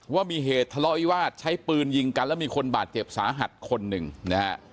ว่ามีเหตุทะเลาะวิวาสใช้ปืนยิงกันแล้วมีคนบาดเจ็บสาหัสคนหนึ่งนะฮะ